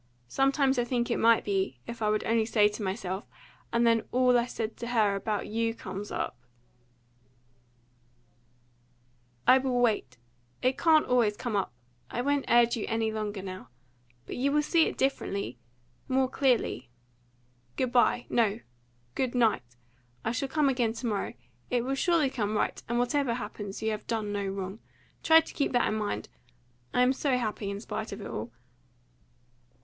Sometimes I think it might be if I would only say so to myself, and then all that I said to her about you comes up " "I will wait. It can't always come up. I won't urge you any longer now. But you will see it differently more clearly. Good bye no! Good night! I shall come again to morrow. It will surely come right, and, whatever happens, you have done no wrong. Try to keep that in mind. I am so happy, in spite of all!"